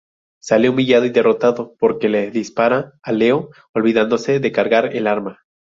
Sale humillado y derrotado, porque le dispara a Leo olvidándose de cargar el arma.